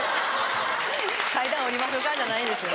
階段下りましょかじゃないんですよ。